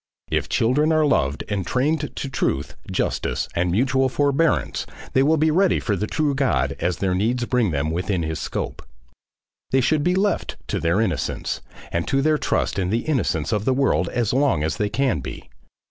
If children are loved and trained to truth, justice, and mutual forbearance, they will be ready for the true God as their needs bring them within his scope. They should be left to their innocence, and to their trust in the innocence of the world, as long as they can be.